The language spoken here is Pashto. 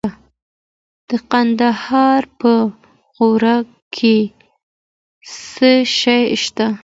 د کندهار په غورک کې څه شی شته؟